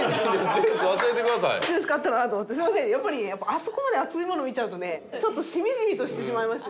やっぱりあそこまで熱いもの見ちゃうとねちょっとしみじみとしてしまいましたね。